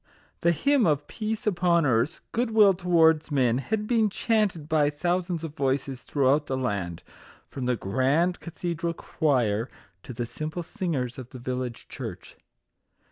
The hymn of " Peace upon earth, good will towards men," had been chanted by thousands of voices throughout the land, from the grand cathedral choir to the simple singers of the village church.